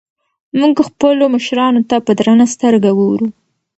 موږ خپلو مشرانو ته په درنه سترګه ګورو.